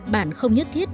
bạn không nhất thiết